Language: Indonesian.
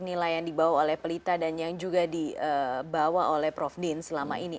nilai yang dibawa oleh pelita dan yang juga dibawa oleh prof din selama ini